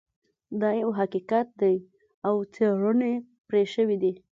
دا یو حقیقت دی او څیړنې پرې شوي دي